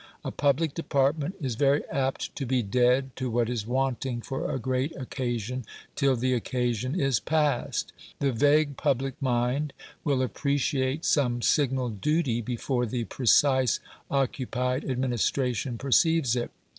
A public department is very apt to be dead to what is wanting for a great occasion till the occasion is past. The vague public mind will appreciate some signal duty before the precise, occupied administration perceives it.